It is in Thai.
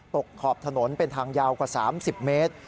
ขอบถนนเป็นทางยาวกว่า๓๐เมตร